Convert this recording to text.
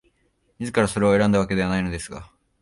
自らそれを選んだわけではないのですが、